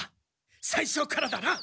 最初からだな！